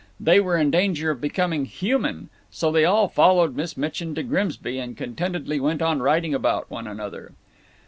They were in danger of becoming human. So they all followed Miss Mitchin to Grimsby, and contentedly went on writing about one another.